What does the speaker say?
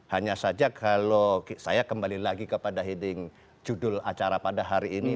hanya saja kalau saya kembali lagi kepada heading judul acara pada hari ini